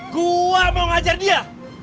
gue mau ngajar dia